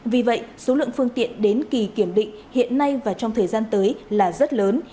vì vậy số lượng phương tiện đến kỳ kiểm định hiện nay và trong thời gian tới là rất lớn